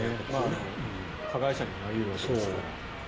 加害者にもなり得るわけですから。